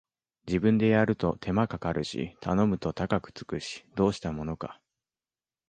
自分でやると手間かかるし頼むと高くつくし、どうしたものか